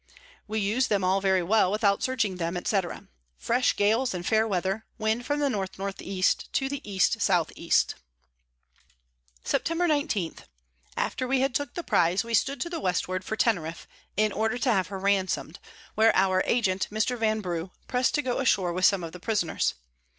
We us'd them all very well, without searching them, &c. Fresh Gales and fair Weather, Wind from the N N E. to the E S E. Sept. 19. After we had took the Prize, we stood to the Westward for Teneriff, in order to have her ransom'd; where our Agent Mr. Vanbrugh press'd to go ashoar with some of the Prisoners.